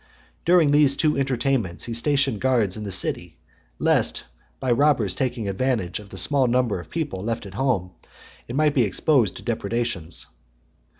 During these two entertainments he stationed guards in the city, lest, by robbers taking advantage of the small number of people left at home, it might be exposed to depredations.